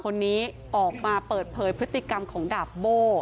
คนนี้ออกมาเปิดเผยพฤติกรรมของดาบโบ้